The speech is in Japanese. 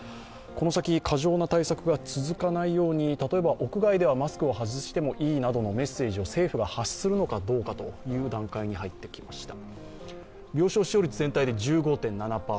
この先過剰な対策が続かないように、例えば屋外ではマスクを外してもいいなどのメッセージを政府が発するのかどうかという段階に入ってきました。